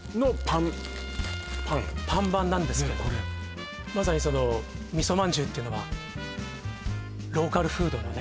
ねえこれパン版なんですけどまさにその味噌まんじゅうっていうのはローカルフードのね